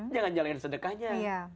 jangan jalankan sedekahnya